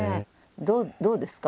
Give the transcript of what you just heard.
どうですか？